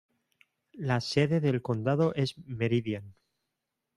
La sede del condado es Meridian.